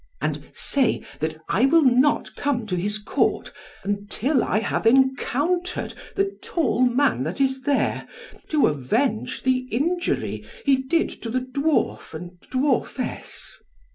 And say that I will not come to his Court, until I have encountered the tall man that is there, to avenge the injury he did to the dwarf and dwarfess."